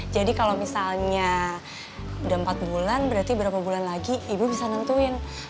jadi kalo misalnya udah empat bulan berarti berapa bulan lagi ibu bisa nentuin